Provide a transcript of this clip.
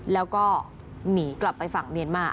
แล้วก็หนีกลับไปฝั่งเมียนมา